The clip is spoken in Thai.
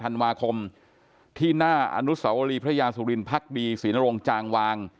ธันวาคมที่หน้าอนุสวรีพระยาสุรินพักดีศรีนรงค์จางวาง